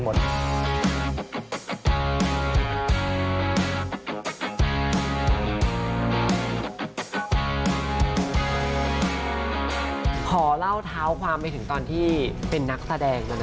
คุณผู้ชมไม่เจนเลยค่ะถ้าลูกคุณออกมาได้มั้ยคะ